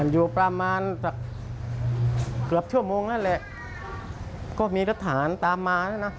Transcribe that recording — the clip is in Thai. อยู่ประมาณเกือบชั่วโมงก็มีรฐานตามมา